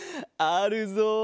あるぞ。